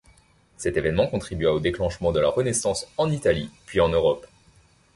Cet évènement contribua au déclenchement de la Renaissance en Italie puis en Europe.